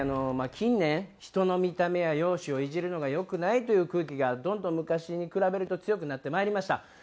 近年人の見た目や容姿をイジるのが良くないという空気がどんどん昔に比べると強くなってまいりました。